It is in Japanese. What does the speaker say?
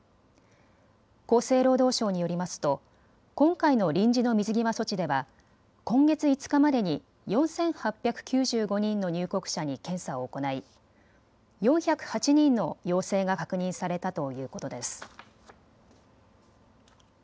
厚生労働省によりますと今回の臨時の水際措置では今月５日までに４８９５人の入国者に検査を行い４０８人の陽性が確認されたということです。